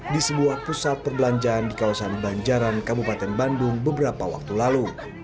di sebuah pusat perbelanjaan di kawasan banjaran kabupaten bandung beberapa waktu lalu